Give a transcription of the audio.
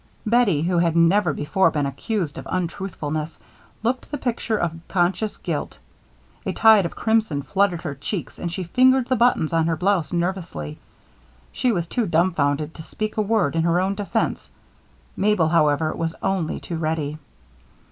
Bettie, who had never before been accused of untruthfulness, looked the picture of conscious guilt; a tide of crimson flooded her cheeks and she fingered the buttons on her blouse nervously. She was too dumbfounded to speak a word in her own defense. Mabel, however, was only too ready.